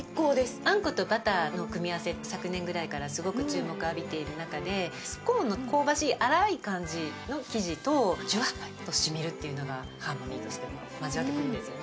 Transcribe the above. あんことバターの組み合わせ、昨年ぐらいからすごく注目されている中で、スコーンの香ばしい粗い感じの生地とジュワッと染みるというのが交わってくるんですよね。